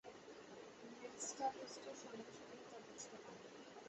মেস্টালিস্টর সঙ্গে সঙ্গে তা বুঝতে পারবে।